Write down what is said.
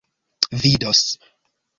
vidos